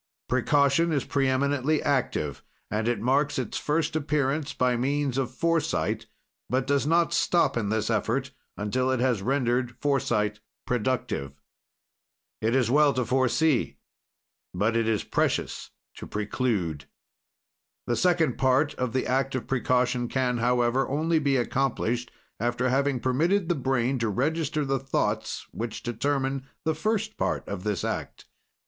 "Precaution is preeminently active, and it marks its first appearance by means of foresight, but does not stop in this effort until it has rendered foresight productive. "It is well to foresee, but it is precious to preclude. "The second part of the act of precaution can, however, only be accomplished after having permitted the brain to register the thoughts which determine the first part of this act."